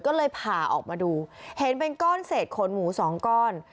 ก็เลยผ่าออกมาดูเห็นเป็นก้อนเศษขนหมูสองก้อน